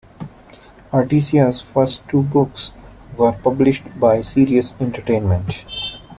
"Artesia"'s first two books were published by Sirius Entertainment.